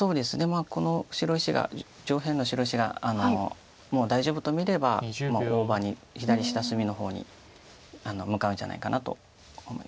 この白石が上辺の白石がもう大丈夫と見れば大場に左下隅の方に向かうんじゃないかなと思います。